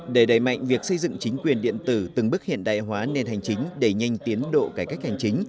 để đẩy mạnh việc xây dựng chính quyền điện tử từng bước hiện đại hóa nền hành chính đẩy nhanh tiến độ cải cách hành chính